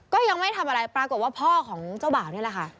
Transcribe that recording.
ก็ยังไม่ได้ทำอะไรปรากฏว่าพ่อของเจ้าบ่าวนี่แหละค่ะ